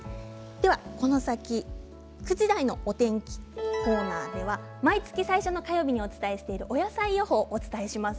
この先９時台のお天気コーナーでは毎月、最初の火曜日にお伝えしているお野菜予報をお伝えします。